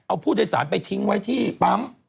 เอาผู้โดยสารไปทิ้งไว้ที่ปั๊ม